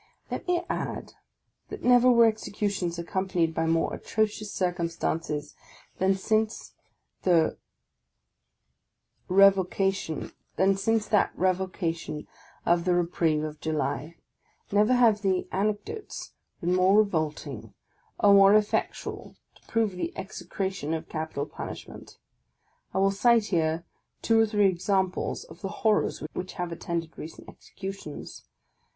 Let rne add, that never were executions accompanied by more atrocious circumstances than since that revocation of the reprieve of July. Never have the " anecdotes " been more revolting, or more effectual to prove the execration of capital punishment. I will cite here two or three examples of the horrors which have attended recent executions.